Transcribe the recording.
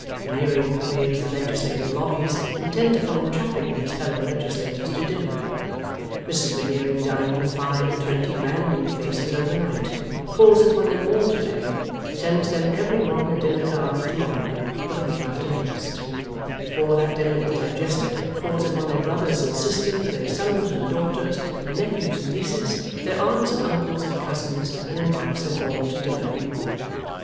Veneering pervades the legislative lobbies, intent upon entrapping his fellow legislators to dinner. Mrs Veneering dined with five and twenty bran new faces over night; calls upon them all to day; sends them every one a dinner card to morrow, for the week after next; before that dinner is digested, calls upon their brothers and sisters, their sons and daughters, their nephews and nieces, their aunts and uncles and cousins, and invites them all to dinner.